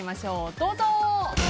どうぞ。